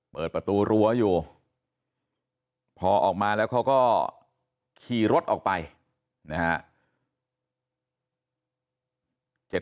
เปิดประตูรั้วอยู่พอออกมาแล้วเขาก็ขี่รถออกไปนะฮะ